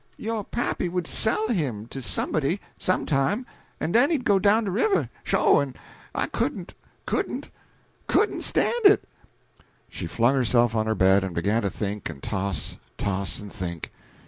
Yo' pappy would sell him to somebody, some time, en den he'd go down de river, sho', en I couldn't, couldn't, couldn't stan' it." She flung herself on her bed and began to think and toss, toss and think.